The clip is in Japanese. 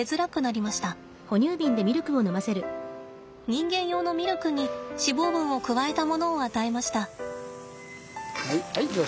人間用のミルクに脂肪分を加えたものを与えました。